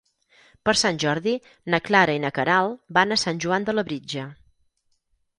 Per Sant Jordi na Clara i na Queralt van a Sant Joan de Labritja.